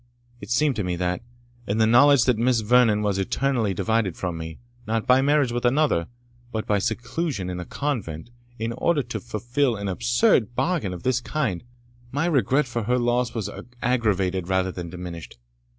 It seemed to me, that, in the knowledge that Miss Vernon was eternally divided from me, not by marriage with another, but by seclusion in a convent, in order to fulfil an absurd bargain of this kind, my regret for her loss was aggravated rather than diminished.